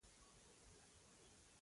که بس بریک ووهي او یا وخوځیږي.